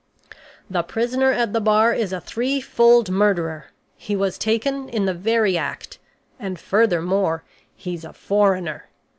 The prisoner at the bar is a threefold murderer; he was taken in the very act; and, furthermore, he is a foreigner.